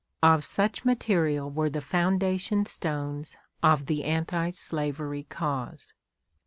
Of such material were the foundation stones of the anti slavery cause.